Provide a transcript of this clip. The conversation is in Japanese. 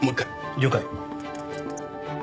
了解。